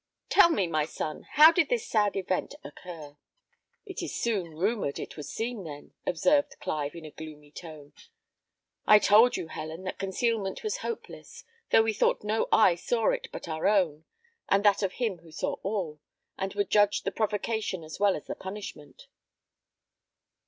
Tell me, my son, how did this sad event occur?" "It is soon rumoured, it would seem, then," observed Clive, in a gloomy tone. "I told you, Helen, that concealment was hopeless, though we thought no eye saw it but our own, and that of Him who saw all, and would judge the provocation as well as the punishment."